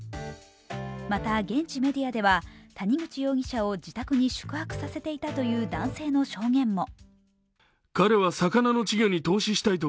また現地メディアでは谷口容疑者を自宅に宿泊させていたという男性の証言も。